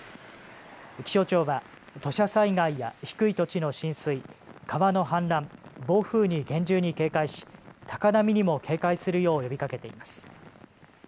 気象庁は土砂災害や低い土地の浸水、川の氾濫、暴風に厳重に警戒し高波にも警戒するよう呼びかけています。